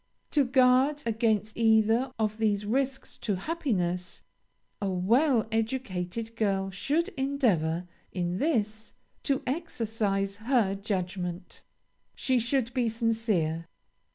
"To guard against either of these risks to happiness, a well educated girl should endeavor, in this, to exercise her judgment. She should be sincere.